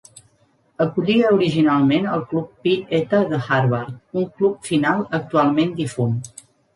Acollia originalment el Club Pi Eta de Harvard, un club final actualment difunt.